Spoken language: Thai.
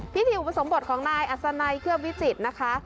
พิธีอุปสมบทของนายอัศนัยเคลือบวิจิตรนะคะ